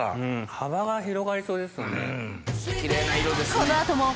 幅が広がりそうですよね。